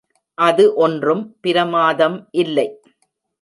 அது ஒன்றும் பிரமாதம் இல்லை.